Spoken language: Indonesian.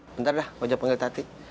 bentar dah wajah panggil tati